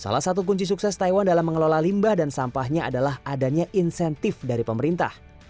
salah satu kunci sukses taiwan dalam mengelola limbah dan sampahnya adalah adanya insentif dari pemerintah